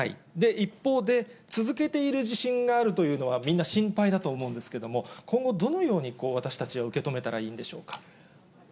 一方で、続けている地震があるというのは、みんな心配だと思うんですけれども、今後、どのように私たちは受け止めたらいいんでしょうか。